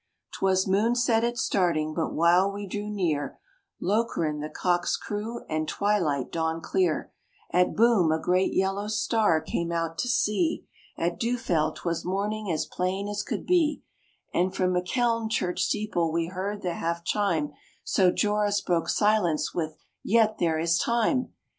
'Twas moonset at starting; but while we drew near Lokeren, the cocks crew, and twilight dawned clear; At Boom, a great yellow star came out to see; At Düffeld, 'twas morning as plain as could be; And from Mecheln church steeple we heard the half chime, So, Joris broke silence with, "Yet there is time!"